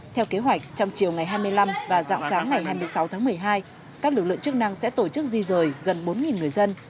theo kế hoạch trong chiều ngày hai mươi năm và dạng sáng ngày hai mươi sáu tháng một mươi hai các lực lượng chức năng sẽ tổ chức di rời gần bốn người dân